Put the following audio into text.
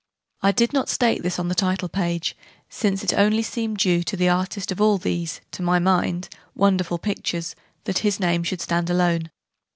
I did not state this on the title page, since it seemed only due, to the artist of all these (to my mind) wonderful pictures, that his name should stand there alone.